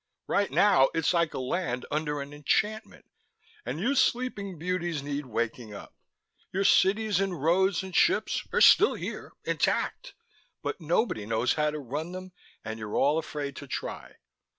Right now, it's like a land under an enchantment and you sleeping beauties need waking up. Your cities and roads and ships are still here, intact. But nobody knows how to run them and you're all afraid to try.